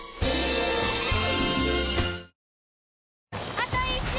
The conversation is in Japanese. あと１周！